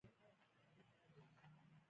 سترګې یو ملیون حرکتونه کوي.